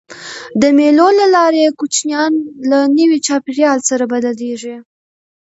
د مېلو له لاري کوچنيان له نوي چاپېریال سره بلديږي.